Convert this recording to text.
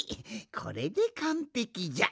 これでかんぺきじゃ。